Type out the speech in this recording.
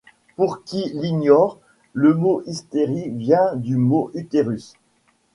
Pour qui l’ignore, le mot hystérie vient du mot utérus.